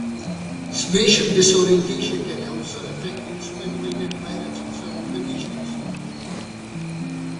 Spatial disorientation can also affect instrument-rated pilots in certain conditions.